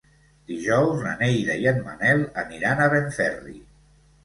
Dijous na Neida i en Manel aniran a Benferri.